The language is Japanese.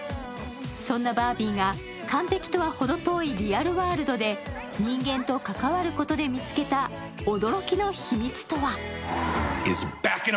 そんなバービーが完璧とは程遠いリアルバービーで人間と関わることで見つけた驚きの秘密とは？